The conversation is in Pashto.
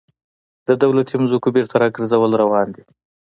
د دولتي ځمکو بیرته راګرځول روان دي